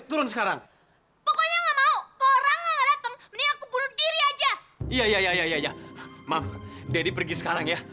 daddy pergi sekarang ya